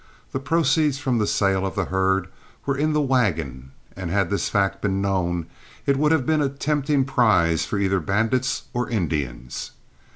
The proceeds from the sale of the herd were in the wagon, and had this fact been known it would have been a tempting prize for either bandits or Indians.